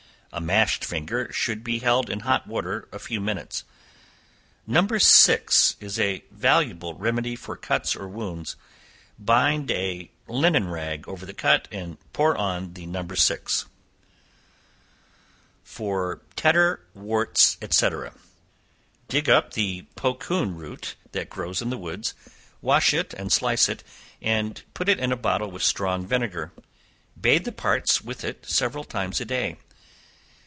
A mashed finger should be held in hot water a few minutes. No. 6 is a most valuable remedy for cuts or wounds; bind a linen rag over the cut, and pour on the No. 6. For Tetter, Warts, &c. Dig up the pocoon root that grows in the woods, wash and slice it, and put it in a bottle with strong vinegar; bathe the parts with it several times a day.